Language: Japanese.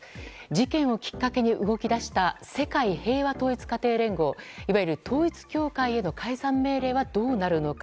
事件をきっかけに動き出した世界平和統一家庭連合いわゆる統一教会への解散命令はどうなるのか。